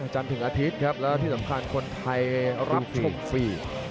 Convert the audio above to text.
จันทร์ถึงอาทิตย์ครับแล้วที่สำคัญคนไทยรับชมฟรี